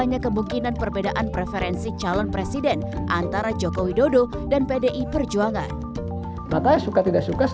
wilayah kekualisik pengamalan neg latar yang sejauh biasanya memaksa k spontaneous